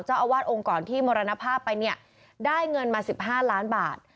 เจ้าอาวาสองค์ก่อนที่มรณภาพไปเนี่ยได้เงินมา๑๕ล้านบาท